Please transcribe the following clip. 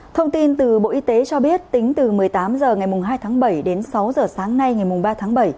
thông tin từ bộ y tế cho biết tính từ một mươi tám h ngày hai tháng bảy đến sáu h sáng nay ngày ba tháng bảy